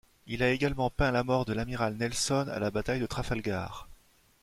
Il a également peint la mort de l'amiral Nelson à la bataille de Trafalgar.